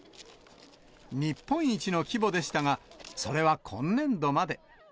日本一の規模でしたが、それは今年度まで。